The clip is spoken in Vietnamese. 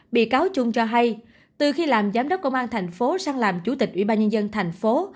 bị cáo trung cho hay từ khi làm giám đốc công an thành phố sang làm chủ tịch ủy ban nhân dân thành phố